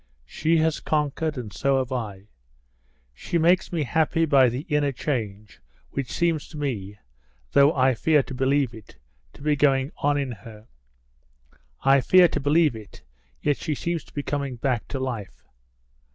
She has conquered, and so have I. She makes me happy by the inner change, which seems to me, though I fear to believe it, to be going on in her. I fear to believe it, yet she seems to be coming back to life."